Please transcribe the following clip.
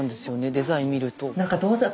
デザイン見ると。